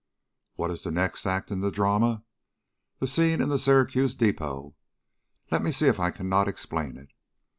What is the next act in the drama? The scene in the Syracuse depot. Let me see if I cannot explain it.